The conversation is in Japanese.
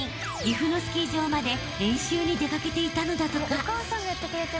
岐阜のスキー場まで練習に出掛けていたのだとか］